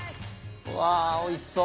わぁおいしそう。